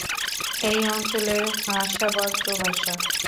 এই অঞ্চলের ভাষা ব্রজ ভাষা।